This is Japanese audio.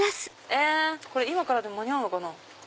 今からでも間に合うのかな。